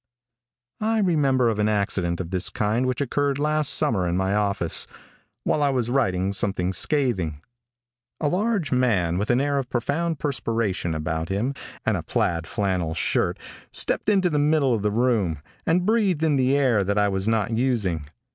I remember of an accident of this kind which occurred last summer in my office, while I was writing something scathing. A large map with an air of profound perspiration about him, and a plaid flannel shirt, stepped into the middle of the room, and breathed in the air that I was not using.